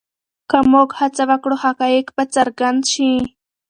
که موږ هڅه وکړو حقایق به څرګند شي.